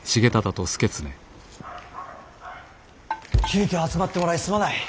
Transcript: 急きょ集まってもらいすまない。